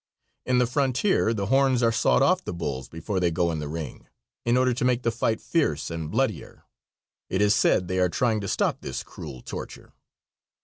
In the frontier the horns are sawed off the bulls before they go in the ring, in order to make the fight fierce and bloodier. It is said they are trying to stop this cruel torture.